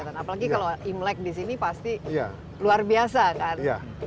apalagi kalau imlek disini pasti luar biasa kan